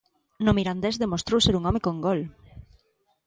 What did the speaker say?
No Mirandés demostrou ser un home con gol.